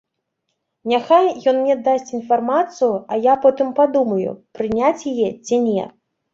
Няхай ён мне дасць інфармацыю, а я потым падумаю, прыняць яе ці не.